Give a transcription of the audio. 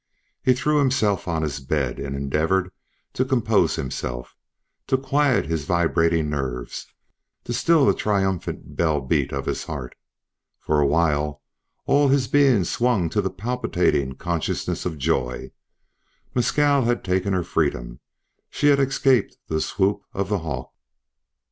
He threw himself on his bed, and endeavored to compose himself, to quiet his vibrating nerves, to still the triumphant bell beat of his heart. For a while all his being swung to the palpitating consciousness of joy Mescal had taken her freedom. She had escaped the swoop of the hawk.